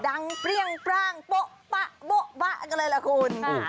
เปรี้ยงปร่างโป๊ะปะโป๊ะปะกันเลยล่ะคุณ